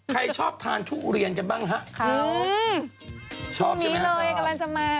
ใครชอบทานทุเรียนกันบ้างฮะชอบใช่ไหมฮะอืมนี่เลยกำลังจะมา